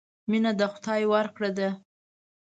مینه د خدای ورکړه ده.